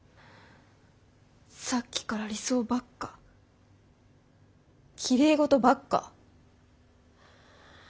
さっきから理想ばっかきれい事ばっか。